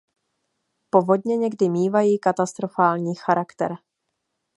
Povodně někdy mívají katastrofální charakter.